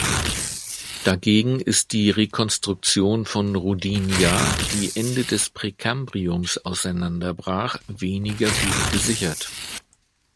Dagegen ist die Rekonstruktion von Rodinia, die Ende des Präkambriums auseinanderbrach, weniger gut gesichert.